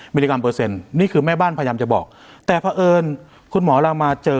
มิลลิกรัมเปอร์เซ็นต์นี่คือแม่บ้านพยายามจะบอกแต่เพราะเอิญคุณหมอเรามาเจอ